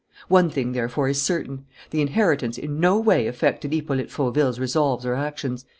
"One thing, therefore, is certain: the inheritance in no way affected Hippolyte Fauville's resolves or actions.